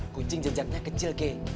kucing jejaknya kecil kei